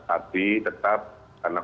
tapi tetap karena